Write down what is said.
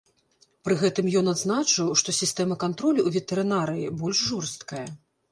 Пры гэтым ён адзначыў, што сістэма кантролю ў ветэрынарыі больш жорсткая.